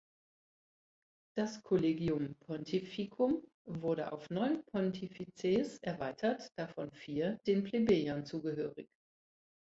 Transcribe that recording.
Das "Collegium pontificum" wurde auf neun Pontifices erweitert, davon vier den Plebejern zugehörig.